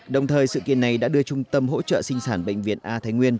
đồng thời sự kiện này đã đưa trung tâm hỗ trợ sinh sản bệnh viện a thái nguyên